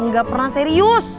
gak pernah serius